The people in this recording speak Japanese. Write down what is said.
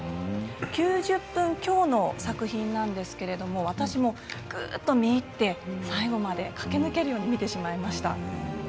９０分強の作品なんですけれども、私も見に行って最後まで駆け抜けるように見てしまいました。